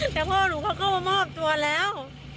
แต่พ่อหนูเขาก็มามอบตัวแล้ว